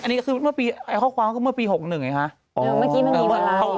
อันนี้คือข้อความก็เมื่อปี๖๑ไงคะ